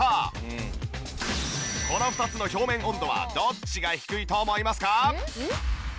この２つの表面温度はどっちが低いと思いますか？